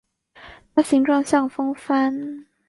它形状像风帆。